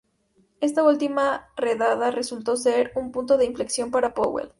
Esta última redada resultó ser un punto de inflexión para Powell.